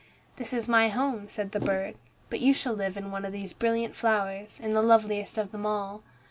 "This is my home," said the bird, "but you shall live in one of these brilliant flowers, in the loveliest of them all'."